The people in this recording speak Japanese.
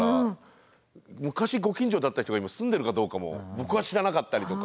昔ご近所だった人が今住んでるかどうかも僕は知らなかったりとか。